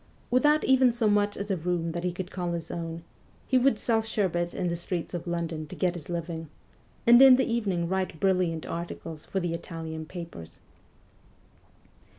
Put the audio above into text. Without even so much as a room that he could call his own, he would sell sherbet in the streets of London to get his living, and in the evening write brilliant articles for the Italian papers.